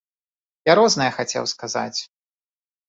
Я рознае хацеў сказаць.